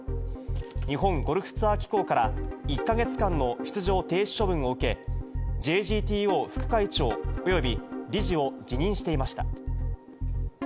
日本ゴルフツアー機構から、１か月間の出場停止処分を受け、ＪＧＴＯ副会長および理事を辞任していました。